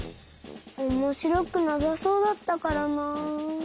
おもしろくなさそうだったからな。